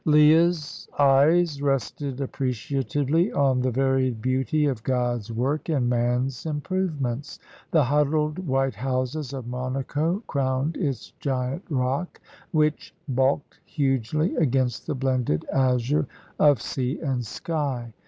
Leah's eyes rested appreciatively on the varied beauty of God's work and man's improvements. The huddled white houses of Monaco crowned its giant rock, which bulked hugely against the blended azure of sea and sky.